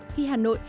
khi hà nội